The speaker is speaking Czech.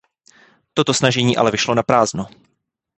Toto snažení ale vyšlo naprázdno.